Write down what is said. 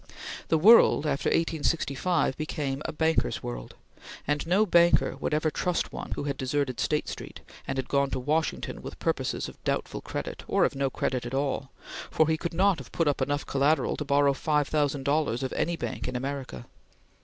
The world, after 1865, became a bankers' world, and no banker would ever trust one who had deserted State Street, and had gone to Washington with purposes of doubtful credit, or of no credit at all, for he could not have put up enough collateral to borrow five thousand dollars of any bank in America.